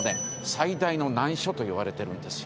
最大の難所といわれてるんですよ。